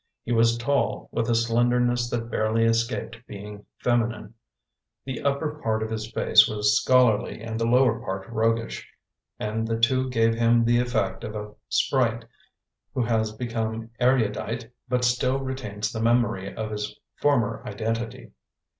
He was tall, with a slender ness that barely escaped being feminine. The upper part of his face was scholarly and the lower part roguish, and the two gave him the effect of a sprite who has be come erudite but still retains the memory of his former identity.